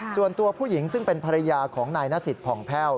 ส่วนตัวผู้หญิงซึ่งเป็นภรรยาของนายนสิทธิผ่องแพ่ว